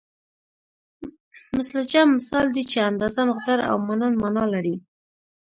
مثل جمع مثال دی چې اندازه مقدار او مانند مانا لري